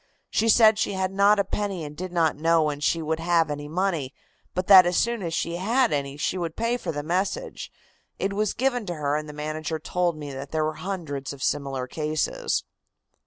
She said she had not a penny and did not know when she would have any money, but that as soon as she had any she would pay for the message. It was given to her, and the manager told me that there were hundreds of similar cases."